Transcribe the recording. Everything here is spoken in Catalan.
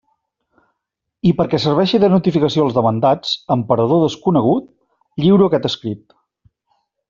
I, perquè serveixi de notificació als demandats, en parador desconegut, lliuro aquest escrit.